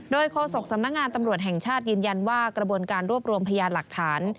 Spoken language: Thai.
โดยโฆษกสำนักงานตำรวจแห่งชาติยืนยันว่ากระบวนการรวบรวมพยานหลักฐาน